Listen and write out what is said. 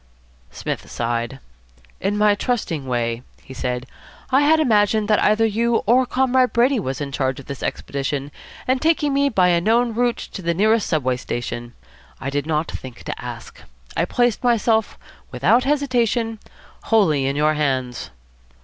Psmith sighed. "In my trusting way," he said, "I had imagined that either you or Comrade Brady was in charge of this expedition and taking me by a known route to the nearest Subway station. I did not think to ask. I placed myself, without hesitation, wholly in your hands."